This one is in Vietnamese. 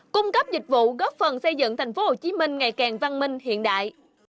cung cấp dịch vụ góp phần xây dựng tp hcm ngày càng văn minh hiện đại